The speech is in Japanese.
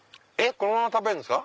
このまま食べるんですか？